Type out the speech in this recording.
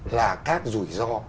là các rủi ro